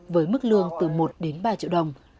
với mức lương từ một đến ba triệu đồng